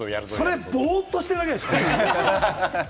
それ、ボーッとしてるだけでしょ？